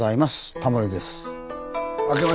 タモリです。